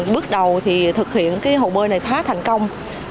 bước đầu thì thực hiện hồ bơi này khá thành công